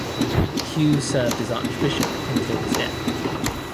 Hughes served as archbishop until his death.